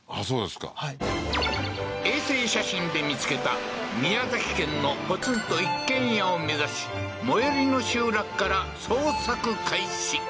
そうですか衛星写真で見つけた宮崎県のポツンと一軒家を目指し最寄りの集落から捜索開始